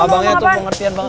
abangnya tuh pengertian banget